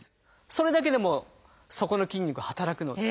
それだけでもそこの筋肉働くので。